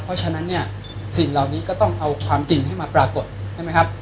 เพราะฉะนั้นเนี่ยสิ่งเหล่านี้ก็ต้องเอาความจริงให้มาปรากฏใช่ไหมครับ